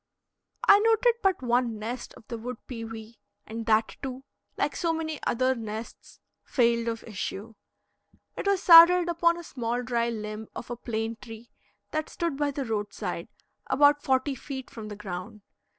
I noted but one nest of the wood pewee, and that, too, like so many other nests, failed of issue. It was saddled upon a small dry limb of a plane tree that stood by the roadside, about forty feet from the ground.